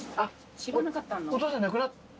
知らなかったの？